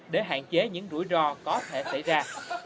để hạn chế những rủi ro có thể xảy ra